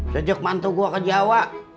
sejak mantu gue ke jawa